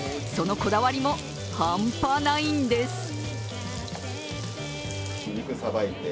そのこだわりも半端ないんです。